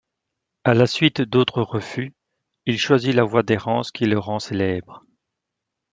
À la suite d'autres refus, il choisit la voie d'errance qui le rend célèbre.